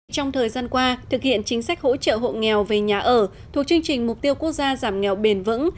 trong thời gian qua thực hiện chính sách hỗ trợ hộ nghèo về nhà ở thuộc chương trình mục tiêu quốc gia giảm nghèo bền vững